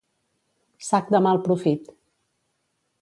Sac de mal profit.